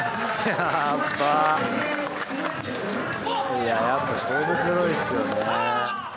いややっぱ勝負強いっすよね。